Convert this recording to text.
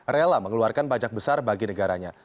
rela mengeluarkan pajak besar bagi negaranya